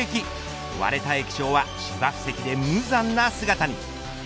割れた液晶は芝生席で無残な姿に。